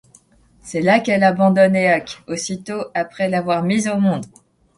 C'est là qu'elle abandonne Éaque aussitôt après l'avoir mis au monde.